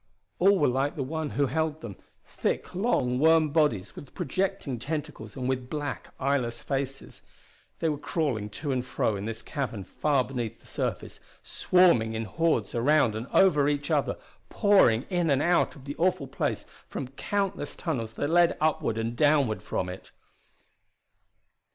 All were like the one who held them, thick long worm bodies with projecting tentacles and with black eyeless faces. They were crawling to and fro in this cavern far beneath the surface, swarming in hordes around and over each other, pouring in and out of the awful place from countless tunnels that led upward and downward from it!